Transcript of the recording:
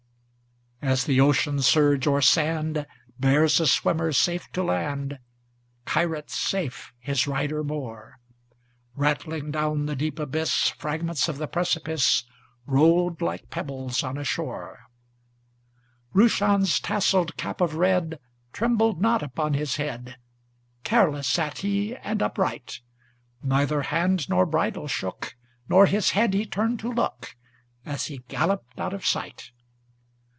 As the ocean surge o'er sand Bears a swimmer safe to land, Kyrat safe his rider bore; Rattling down the deep abyss Fragments of the precipice Rolled like pebbles on a shore. Roushan's tasselled cap of red Trembled not upon his head, Careless sat he and upright; Neither hand nor bridle shook, Nor his head he turned to look, As he galloped out of sight.